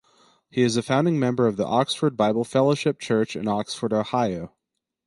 He is a founding member of the Oxford Bible Fellowship church in Oxford, Ohio.